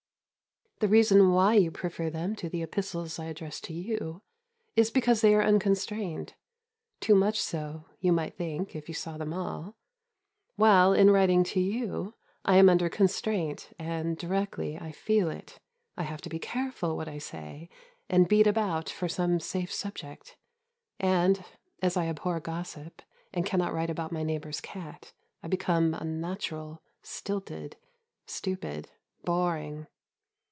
The reason why you prefer them to the epistles I address to you is because they are unconstrained (too much so, you might think, if you saw them all), while, in writing to you, I am under constraint, and, directly I feel it, I have to be careful what I say, and beat about for some safe subject; and, as I abhor gossip and cannot write about my neighbour's cat, I become unnatural, stilted, stupid, boring.